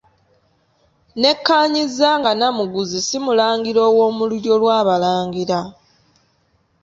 Nnekkaanyizza nga Nnamuguzi si mulangira ow'omu lulyo lw'Abalangira.